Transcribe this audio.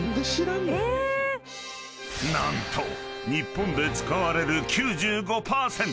［何と日本で使われる９５％］